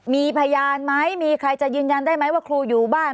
มีพยานไหมมีใครจะยืนยันได้ไหมว่าครูอยู่บ้าน